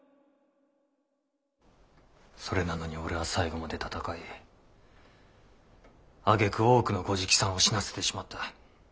それなのに俺は最後まで戦いあげく多くのご直参を死なせてしまった。